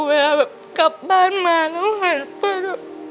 เวลากลับบ้านมาแล้วหาเปิ้ล